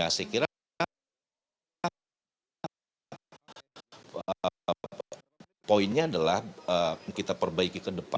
saya kira poinnya adalah kita perbaiki ke depan